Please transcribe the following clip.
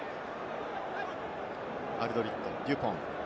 アルドリット、デュポン。